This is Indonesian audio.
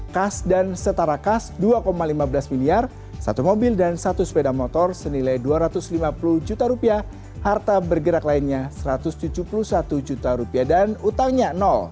kas dan setara kas dua lima belas miliar satu mobil dan satu sepeda motor senilai dua ratus lima puluh juta rupiah harta bergerak lainnya satu ratus tujuh puluh satu juta rupiah dan utangnya